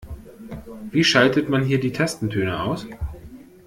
Wie schaltet man hier die Tastentöne aus?